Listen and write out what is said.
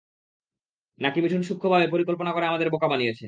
নাকি মিঠুন সূক্ষ্মভাবে পরিকল্পনা করে আমাদের বোকা বানিয়েছে।